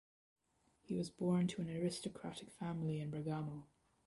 He was born to an aristocratic family in Bergamo.